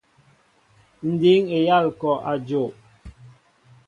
Ǹ dǐŋ eyâl ŋ̀kɔ' a jow.